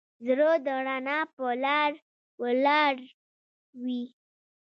زړه د رڼا په لاره ولاړ وي.